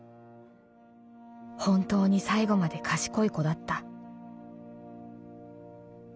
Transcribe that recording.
本当に最期まで賢い子だった」。